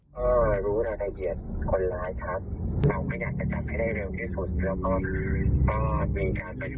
พ่อสำรวจก็จะได้ดูแลความเรียบร้อย